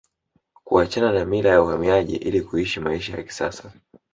Kuachana na mila ya uhamaji ili kuishi maisha ya kisasa